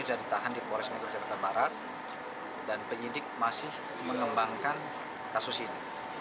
sudah ditahan di polres metro jakarta barat dan penyidik masih mengembangkan kasus ini